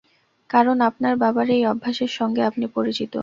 কারণ আপনার বাবার এই অভ্যাসের সঙ্গে আপনি পরিচিত।